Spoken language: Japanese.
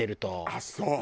ああそう？